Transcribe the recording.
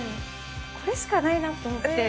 これしかないなと思って。